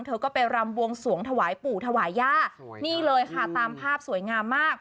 เธอก็ไปรำบวงสวงถวายปู่ถวายย่านี่เลยค่ะตามภาพสวยงามมาก